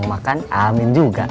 makanya imas hari ini sengaja gak makan